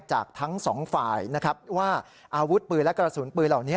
จากทั้งสองฝ่ายนะครับว่าอาวุธปืนและกระสุนปืนเหล่านี้